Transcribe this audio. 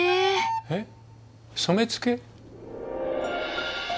えっ染付？